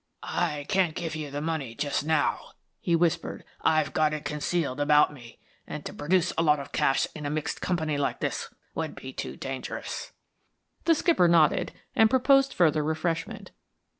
"I can't give you the money just now," he whispered. "I've got it concealed about me, and to produce a lot of cash in a mixed company like this would be too dangerous." The skipper nodded, and proposed further refreshment.